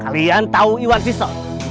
kalian tau iwan fisto